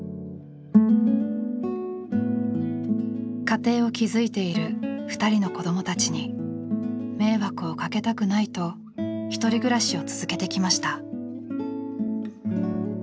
家庭を築いている２人の子どもたちに迷惑をかけたくないとひとり暮らしを続けてきました。